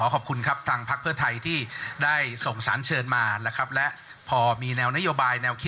ของภักดิ์ในอเมราบันทร์